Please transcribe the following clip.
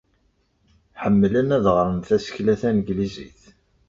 Ḥemmlen ad ɣren tasekla tanglizit.